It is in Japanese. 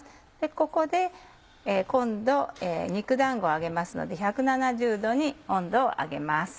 ここで今度肉だんごを揚げますので１７０℃に温度を上げます。